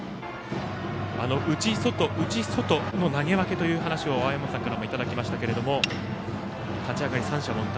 内、外、内、外の投げ分けの話を青山さんからもいただきましたが立ち上がり、三者凡退。